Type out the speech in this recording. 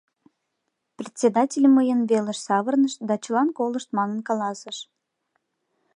Председатель мыйын велыш савырныш да чылан колышт манын каласыш: